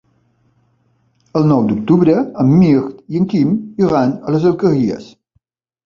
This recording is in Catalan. El nou d'octubre en Mirt i en Quim iran a les Alqueries.